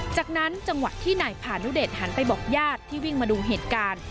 จากนั้นจังหวะที่นายพานุเดชหันไปบอกญาติที่วิ่งมาดูเหตุการณ์